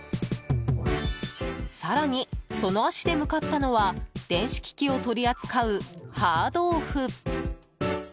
更に、その足で向かったのは電子機器を取り扱うハードオフ。